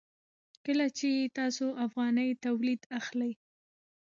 کله چې تاسو افغاني تولید اخلئ.